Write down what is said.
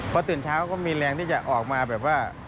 พอตื่นเช้าก็มีแรงที่จะออกมาแบบว่า